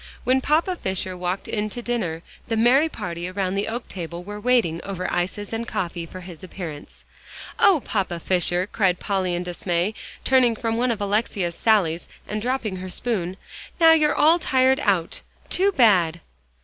When Papa Fisher walked in to dinner, the merry party around the oak table were waiting over the ices and coffee for his appearance. "Oh, Papa Fisher!" cried Polly in dismay, turning from one of Alexia's sallies, and dropping her spoon. "Now you're all tired out too bad!"